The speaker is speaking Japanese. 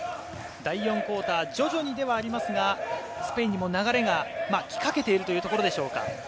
第４クオーター、徐々にではありますが、スペインにも流れが来かけているというところでしょうか。